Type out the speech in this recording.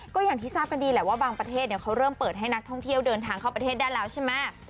ก็อย่างที่ทราบกันดีแหละว่าบางประเทศเขาเริ่มเปิดให้นักท่องเที่ยวเดินทางเข้าประเทศได้แล้วใช่ไหม